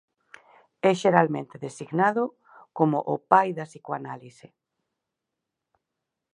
É xeralmente designado como "o pai da psicanálise".